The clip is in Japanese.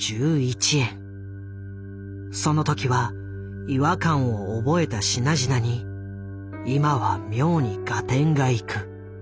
その時は違和感を覚えた品々に今は妙に合点がいく。